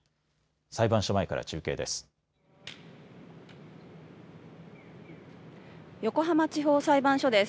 裁判所前から中継です。